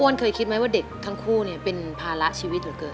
เคยคิดไหมว่าเด็กทั้งคู่เป็นภาระชีวิตเหลือเกิน